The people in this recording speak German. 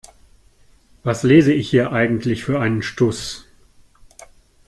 Was lese ich hier eigentlich für einen Stuss?